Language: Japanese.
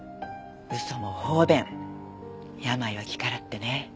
嘘も方便病は気からってね。